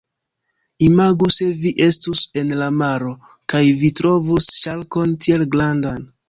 Imagu se vi estus en la maro, kaj vi trovus ŝarkon tiel grandan.